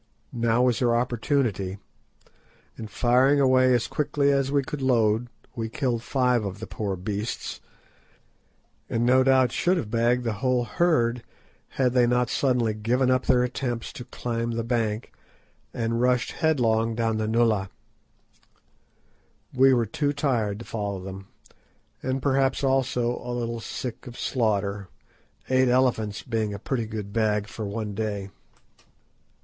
Now was our opportunity, and firing away as quickly as we could load, we killed five of the poor beasts, and no doubt should have bagged the whole herd, had they not suddenly given up their attempts to climb the bank and rushed headlong down the nullah. We were too tired to follow them, and perhaps also a little sick of slaughter, eight elephants being a pretty good bag for one day.